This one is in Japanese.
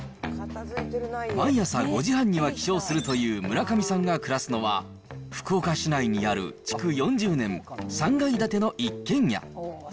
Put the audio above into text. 毎朝５時半には起床するという村上さんが暮らすのは、福岡市内にある築４０年、３階建ての一軒家。